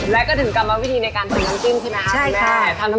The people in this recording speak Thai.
และก็ถึงกำลังวิธีในการทำน้ำจิ้มใช่ไหมคะ